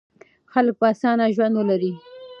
خلک به اسانه ژوند ولري.